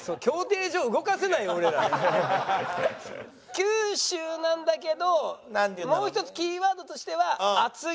九州なんだけどもう一つキーワードとしては。